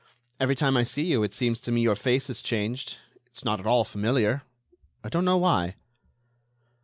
Every time I see you it seems to me your face is changed; it's not at all familiar. I don't know why."